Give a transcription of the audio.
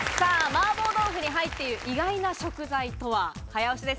麻婆豆腐に入っている意外な食材とは早押しです。